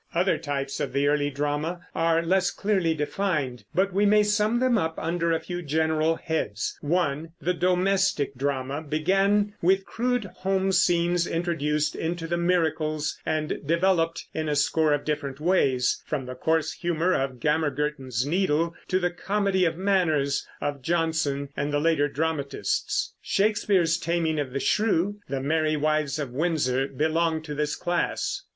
Other types of the early drama are less clearly defined, but we may sum them up under a few general heads: (1) The Domestic Drama began with crude home scenes introduced into the Miracles and developed in a score of different ways, from the coarse humor of Gammer Gurton's Needle to the Comedy of Manners of Jonson and the later dramatists. Shakespeare's Taming of the Shrew and Merry Wives of Windsor belong to this class.